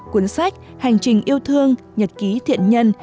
cuốn sách hành trình yêu thương nhật ký thiện nhân